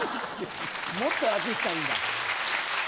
もっと楽したいんだ。